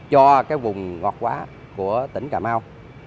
cho vùng ngọt quá của tỉnh cà mau